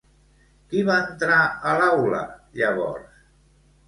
Qui va entrar a l'aula llavors?